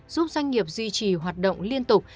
giúp doanh nghiệp duy trì hoạt động liên tục